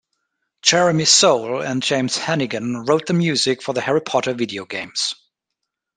Jeremy Soule and James Hannigan wrote the music for the "Harry Potter" video games.